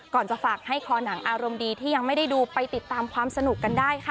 จะฝากให้คอหนังอารมณ์ดีที่ยังไม่ได้ดูไปติดตามความสนุกกันได้ค่ะ